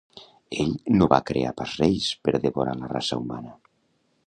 Ell no va crear pas reis per devorar la raça humana.